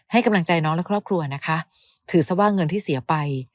ให้กำลังใจน้องและครอบครัวนะคะถือซะว่าเงินที่เสียไป